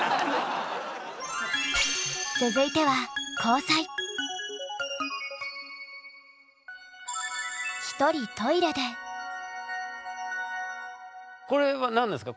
続いてはこれは何ですか？